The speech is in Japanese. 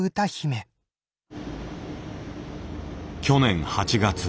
去年８月。